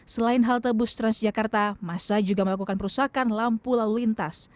selain halte bus transjakarta masa juga melakukan perusakan lampu lalu lintas